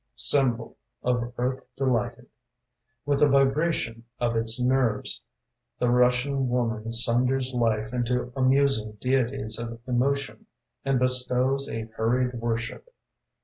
" Symbol of earth delighted With the vibration of its nerves, The Russian woman sunders life Into amusing deities of emotion And bestows a hurried worship.